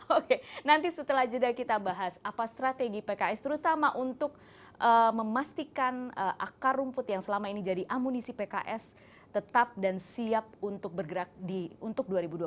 oke nanti setelah jeda kita bahas apa strategi pks terutama untuk memastikan akar rumput yang selama ini jadi amunisi pks tetap dan siap untuk bergerak untuk dua ribu dua puluh empat